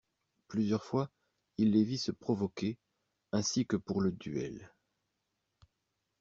Plusieurs fois, il les vit se provoquer ainsi que pour le duel.